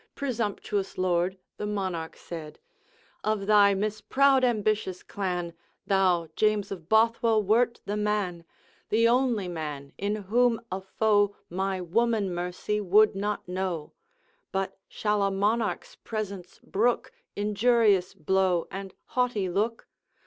Presumptuous Lord!' the Monarch said: 'Of thy misproud ambitious clan, Thou, James of Bothwell, wert the man, The only man, in whom a foe My woman mercy would not know; But shall a Monarch's presence brook Injurious blow and haughty look?